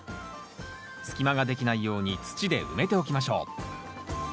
隙間ができないように土で埋めておきましょう。